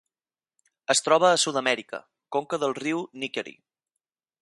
Es troba a Sud-amèrica: conca del riu Nickerie.